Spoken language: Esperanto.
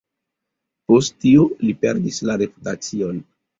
Post tio, li perdis la reputacion.